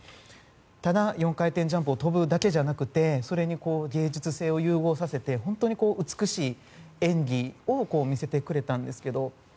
ただ、４回転ジャンプを跳ぶだけじゃなくてそれに芸術性を融合させて本当に美しい演技を見せてくれたんですけど。